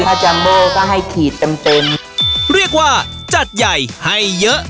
ถ้าจัมโบก็ให้ขีดเต็มเต็มเรียกว่าจัดใหญ่ให้เยอะ